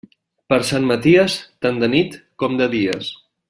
Per Sant Maties, tant de nit com de dies.